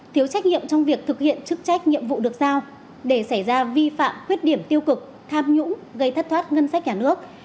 thiếu trách nhiệm trong việc thực hiện chức trách nhiệm vụ được giao để xảy ra vi phạm khuyết điểm tiêu cực tham nhũng gây thất thoát ngân sách nhà nước